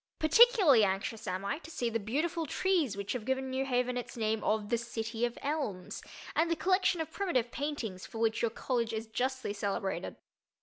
Particularly anxious am I to see the beautiful trees which have given New Haven its name of "the City of Elms," and the collection of primitive paintings for which your college is justly celebrated.